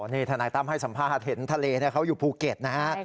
นี่ทนายตั้มให้สัมภาษณ์เห็นทะเลเขาอยู่ภูเก็ตนะฮะ